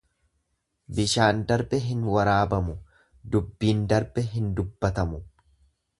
Bishaan darbe hin waaraabamu dubbiin darbe hin dubbatamu.